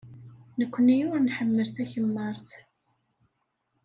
Nekkni ur nḥemmel takemmart.